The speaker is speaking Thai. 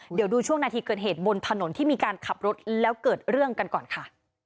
เดี๋ยวดูช่วงนาทีเกิดเหตุบนถนนที่มีการขับรถแล้วเกิดเรื่องกันก่อนค่ะ